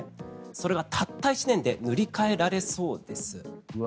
それがたった１年で塗り替えられそうです。